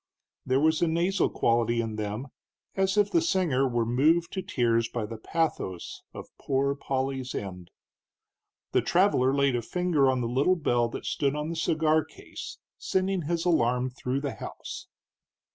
There was a nasal quality in them, as if the singer were moved to tears by the pathos of Poor Polly's end. The traveler laid a finger on the little bell that stood on the cigar case, sending his alarm through the house.